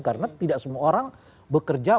karena tidak semua orang bekerja baik